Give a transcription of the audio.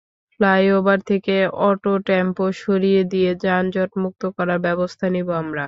Flyover থেকে auto tempo সরিয়ে দিয়ে যানজটমুক্ত করার ব্যবস্থা নেব আমরা।